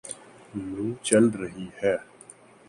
لوُ چل رہی ہے